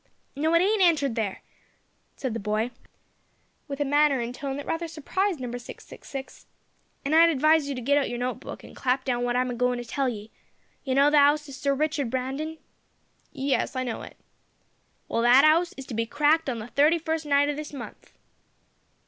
"No, it ain't entered there," said the boy, with a manner and tone that rather surprised Number 666; "and I'd advise you to git out your note book, an' clap down wot I'm a goin' to tell ye. You know the 'ouse of Sir Richard Brandon?" "Yes, I know it." "Well, that 'ouse is to be cracked on the 31st night o' this month."